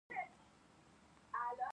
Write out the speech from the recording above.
شانګهای د نړۍ یو لوی سوداګریز ښار دی.